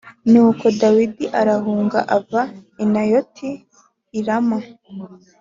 Nuko Dawidi arahunga ava i Nayoti i Rama